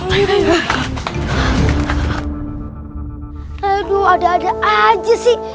aduh ada ada aja sih